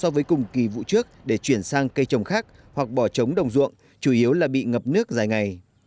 so với cùng kỳ vụ trước để chuyển sang cây trồng khác hoặc bỏ trống đồng ruộng chủ yếu là bị ngập nước dài ngày